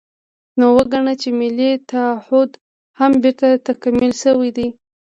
نو وګڼه چې ملي تعهُد هم بېرته تکمیل شوی دی.